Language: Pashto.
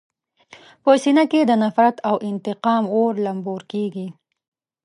په سینه کې د نفرت او انتقام اور لمبور کېږي.